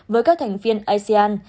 với các thành viên asean